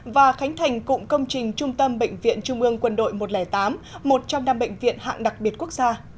và khánh thành cụm công trình trung tâm bệnh viện trung ương quân đội một trăm linh tám một trong năm bệnh viện hạng đặc biệt quốc gia